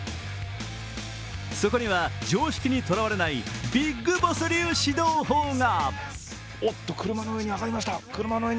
そこには常識にとらわれないビッグボス流指導法が。